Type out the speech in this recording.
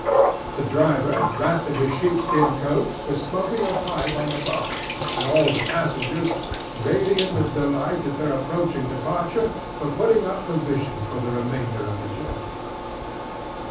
The driver, wrapped in his sheepskin coat, was smoking a pipe on the box, and all the passengers, radiant with delight at their approaching departure, were putting up provisions for the remainder of the journey.